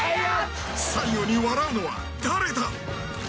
最後に笑うのは誰だ？